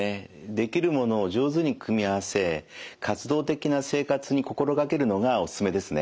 できるものを上手に組み合わせ活動的な生活に心がけるのがおすすめですね。